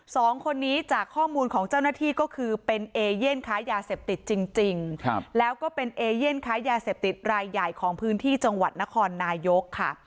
สองคนนี้จากข้อมูลของเจ้าหน้าที่ก็คือเป็นเอเย่นค้ายาเสพติดจริงแล้วก็เป็นเอเย่นค้ายาเสพติดรายใหญ่ของพื้นที่จังหวัดนครนายกค่ะ